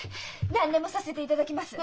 何でもさせていただきます。